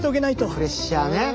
プレッシャーね！